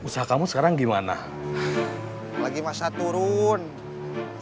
tapi sekarang langsung representasinya takah